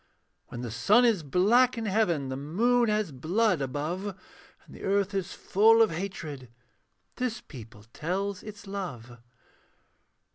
When the sun is black in heaven, The moon as blood above, And the earth is full of hatred, This people tells its love.